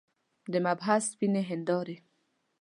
د محبس سپینې هندارې.